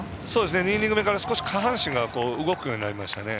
２イニング目から下半身が少し動くようになりましたね。